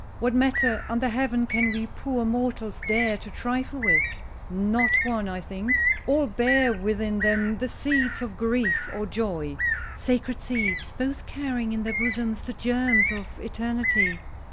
What matter under heaven can we poor mortals dare to trifle with? Not one, I think. All bear within them the seeds of grief or joy. Sacred seeds, both carrying in their bosoms the germs of eternity.